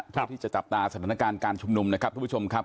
ครับที่จะจัดตราสถานการณ์การชุมนุมนะครับ